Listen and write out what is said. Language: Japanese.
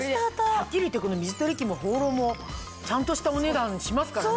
はっきり言って水取り器もホーローもちゃんとしたお値段しますからね。